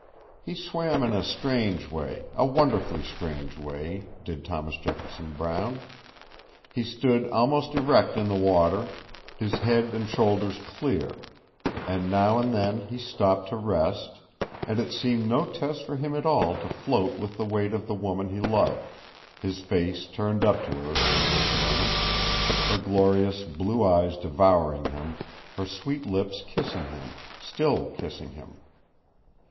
He swam in a strange way a wonderfully strange way did Thomas Jefferson Brown. He stood almost erect in the water, his head and shoulders clear; and now and then he stopped to rest, and it seemed no test for him at all to float with the weight of the woman he loved, his face turned up to her in those moments, her glorious blue eyes devouring him, her sweet lips kissing him still kissing him.